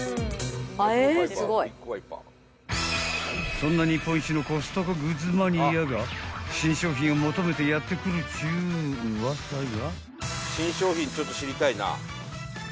［そんな日本一のコストコグッズマニアが新商品を求めてやって来るっちゅうウワサが］